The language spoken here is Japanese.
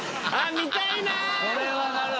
見たいなぁ。